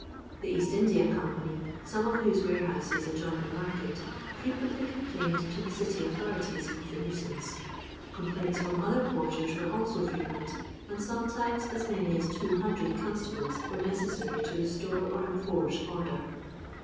The Bast India Company, some of whose warehouses adjoined the market, frequently complained to the city authorities of the nuisance. Complaints from other qnarten were also frequent, and sometimes as many as 200 constables were necessary to restore or enforce order.